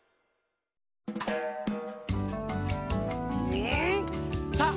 うん！さあ